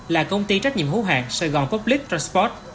là công ty trách nhiệm hữu hàng sài gòn public transport